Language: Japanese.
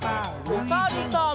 おさるさん。